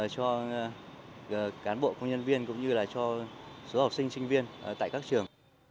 cho cán bộ công nhân viên cũng như là cho số học sinh sinh viên tại các trường